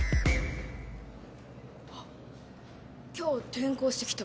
あっ今日転校してきた